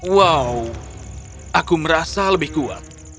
wow aku merasa lebih kuat